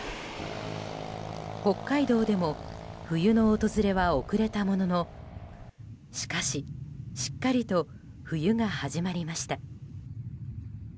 北海道でも冬の訪れは遅れたもののしかししっかりと冬が始まりました。